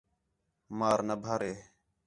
مار نہ بھارے